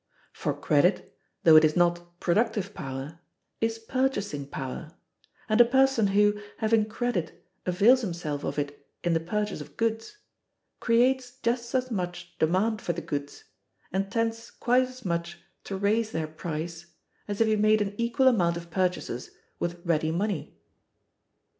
For credit, though it is not productive power, is purchasing power; and a person who, having credit, avails himself of it in the purchase of goods, creates just as much demand for the goods, and tends quite as much to raise their price, as if he made an equal amount of purchases with ready money.